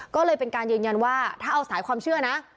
ก็เลยเป็นการยืนยันว่าถ้าเอาสายความเชื่อนะ